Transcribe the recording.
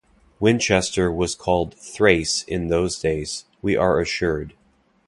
Winchester was called Thrace in those days, we are assured.